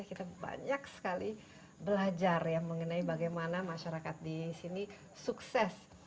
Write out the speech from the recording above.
kita banyak sekali belajar ya mengenai bagaimana masyarakat di sini sukses